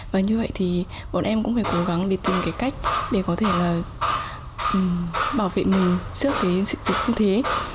và như vậy thì bọn em cũng phải cố gắng để tìm cái cách để có thể là bảo vệ mình trước cái dịch không thế